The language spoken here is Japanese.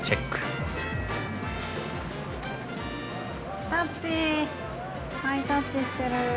ハイタッチしてる。